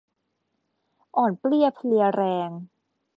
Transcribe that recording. อ่อนเปลี้ยเพลียแรง